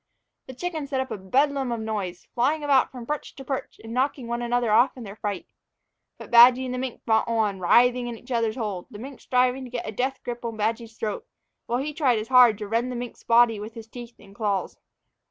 The chickens set up a bedlam of noise, flying about from perch to perch and knocking one another off in their fright. But Badgy and the mink fought on, writhing in each other's hold, the mink striving to get a death grip on Badgy's throat, while he tried as hard to rend the mink's body with his teeth and claws.